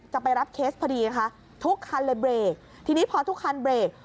จะไปรับเคสพอดีค่ะทุกคันเลยเบรกทีนี้พอทุกคันเบรก